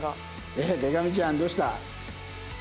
えっでか美ちゃんどうした？